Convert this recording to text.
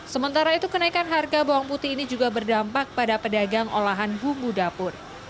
sementara itu kenaikan harga bawang putih ini juga berdampak pada pedagang olahan bumbu dapur